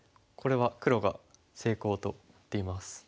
これは黒が成功となっています。